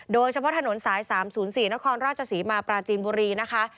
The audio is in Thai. โดยเฉพาะถนนสาย๓๐๔นครราชศรีมาปราจีนบุรีนะคะ